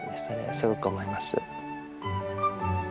すごく思います。